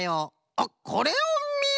あっこれをみよ！